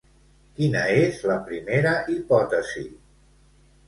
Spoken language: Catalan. Quina és la primera hipòtesi?